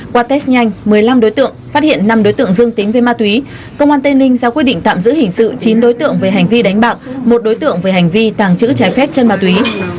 qua test nhanh một mươi năm đối tượng phát hiện năm đối tượng dương tính với ma túy công an tây ninh ra quyết định tạm giữ hình sự chín đối tượng về hành vi đánh bạc một đối tượng về hành vi tàng trữ trái phép chân ma túy